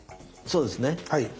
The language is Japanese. そうですね。